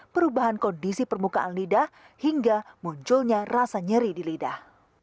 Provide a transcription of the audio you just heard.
perubahan kondisi permukaan lidah hingga munculnya rasa nyeri di lidah